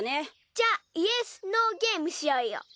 じゃあイエス・ノー・ゲームしようよ。